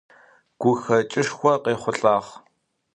Гухэкӏышхо къехъулӏагъ.